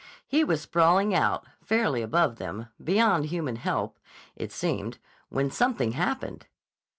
He was sprawling out, fairly above them, beyond human help, it seemed, when something happened.